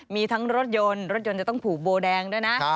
มีทั้งรถยนต์รถยนต์จะต้องผูกโบแดงด้วยนะ